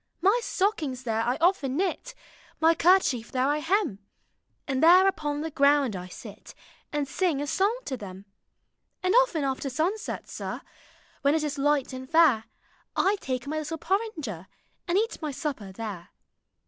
My stockings there 1 ofteu knit. My kerchief there I hem; And there upon the ground I sit, And sing a song to them. '* And often after sunset, sir. When it is light and fair, 1 take my little porringer, And eat my supper there.